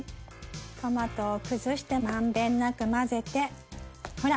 トマトを崩して満遍なく混ぜてほら